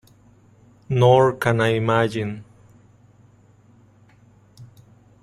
Nor can I imagine.